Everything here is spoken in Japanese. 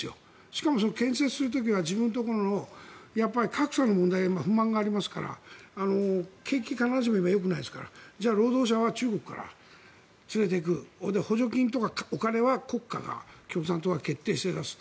しかも建設をする時は自分のところも格差の不満がありますから景気は必ずしも今よくないですからじゃあ労働者は中国から連れていく補助金とかお金は国家が、共産党が決定するんです。